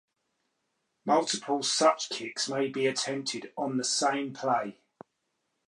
Multiple such kicks may be attempted on the same play.